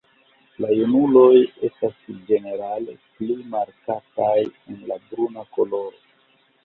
La junuloj estas ĝenerale pli markataj en bruna koloro.